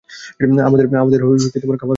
আমাদের খাবার খায়।